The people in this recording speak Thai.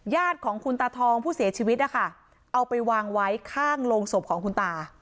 ญาติของคุณตาทองผู้เสียชีวิตนะคะเอาไปวางไว้ข้างโรงศพของคุณตา